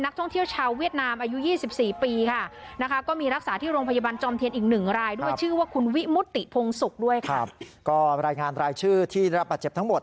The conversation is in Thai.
ก็รายงานรายชื่อที่รับอัดเจ็บทั้งหมด